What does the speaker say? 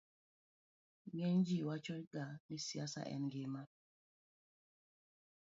ng'eny ji wacho ga ni siasa en ngima